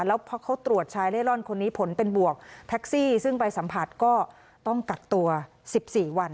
แล้วพอเขาตรวจชายเร่ร่อนคนนี้ผลเป็นบวกแท็กซี่ซึ่งไปสัมผัสก็ต้องกักตัว๑๔วัน